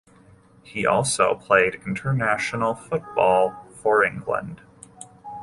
He also played international football for England.